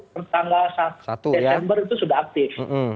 pertama desember itu sudah aktif